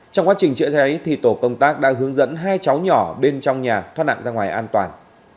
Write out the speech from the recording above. trong quá trình chữa cháy tổ công tác đã hướng dẫn hai cháu nhỏ bên trong nhà thoát nạn ra ngoài an toàn